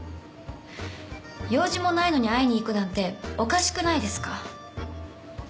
用事もないのに会いに行くなんておかしくないですか？